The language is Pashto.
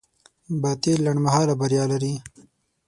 باطل لنډمهاله بریا لري.